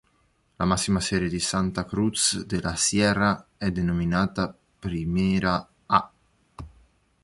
La massima serie di Santa Cruz de la Sierra è denominata Primera "A".